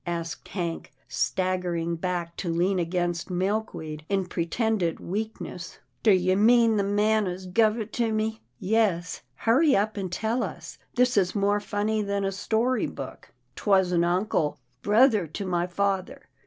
asked Hank, staggering back to lean against Milkweed in pre tended weakness. " Do you mean the man as guv it to me ?"" Yes, hurry up and tell us — this is more funny than a story book." " 'Twas an uncle — brother to my father.